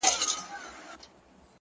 • د چا سل وه د چا زر كاله عمرونه ,